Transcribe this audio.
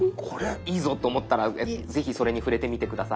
いいぞと思ったら是非それに触れてみて下さい。